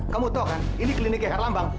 kamu tahu kan ini kliniknya herlambang